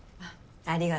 ありがとう。